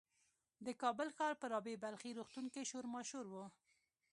د کابل ښار په رابعه بلخي روغتون کې شور ماشور و.